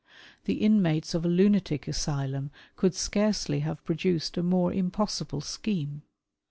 The inmates of a lunatic asylum could scarcely have produced a more impossible scheme.